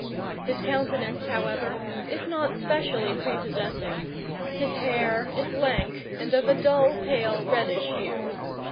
His countenance, however, is not specially prepossessing. His hair is lank, and of a dull pale reddish hue.